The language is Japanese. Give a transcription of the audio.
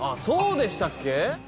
そうでしたっけ？